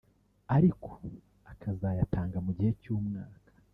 ariko akazayatanga mu gihe cy’umwaka